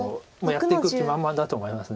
やっていく気満々だと思います。